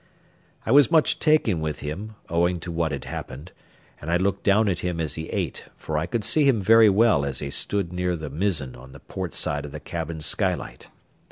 I was much taken with him owing to what had happened, and I looked down at him as he ate, for I could see him very well as I stood near the mizzen on the port side of the cabin skylight.